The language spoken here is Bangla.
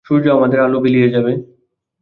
সূর্য আমাদের আলো বিলিয়ে যাবে।